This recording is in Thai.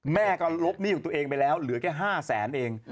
แม่ก็ลบหนี้ของตัวเองไปแล้วเหลือแค่๕แสนเอง